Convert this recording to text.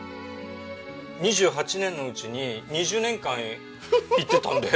２８年のうちに２０年間行ってたんで。